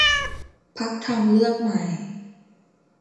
พรรคทางเลือกใหม่